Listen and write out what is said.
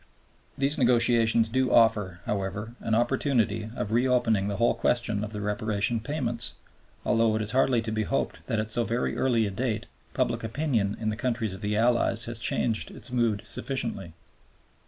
These negotiations do offer, however, an opportunity of reopening the whole question of the Reparation payments, although it is hardly to be hoped that at so very early a date, public opinion in the countries of the Allies has changed its mood sufficiently.